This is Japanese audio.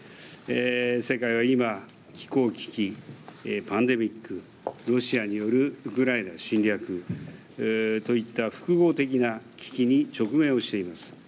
世界は今、気候危機、パンデミック、ロシアによるウクライナ侵略といった複合的な危機に直面をしています。